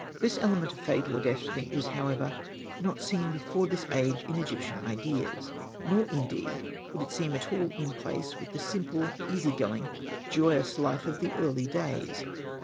This element of fate or destiny is, however, not seen before this age in Egyptian ideas ; nor, indeed, would it seem at all in place with the simple, easy going, joyous life of the early days.